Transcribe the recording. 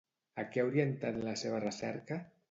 A què ha orientat la seva recerca?